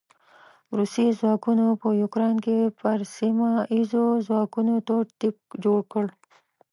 روسي ځواکونو په يوکراين کې پر سیمه ايزو ځواکونو تور تيپ جوړ کړ.